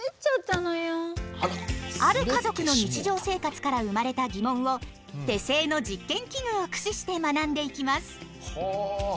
ある家族の日常生活から生まれた疑問を手製の実験器具を駆使して学んでいきます。